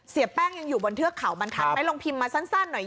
เสียแป้งยังอยู่บนเทือกเขาบรรทัศน์ไหมลองพิมพ์มาสั้นหน่อย